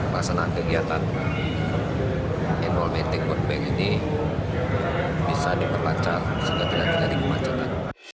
pelaksanaan kegiatan annual meeting world bank ini bisa diperlancar sehingga tidak terjadi kemacetan